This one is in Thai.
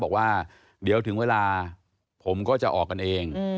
บอกว่าเดี๋ยวถึงเวลาผมก็จะออกกันเอง